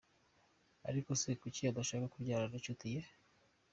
Ariko se kuki adashaka kubyarana n’inshuti ye?.